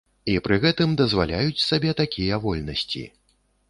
І пры гэтым дазваляюць сабе такія вольнасці.